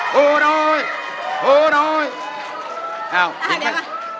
ถูกหน่อยถูกหน่อย